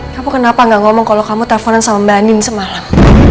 kamu kenapa gak ngomong kalau kamu telponen sama mbak anin semalam